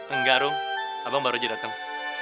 enggak rum abang baru aja datang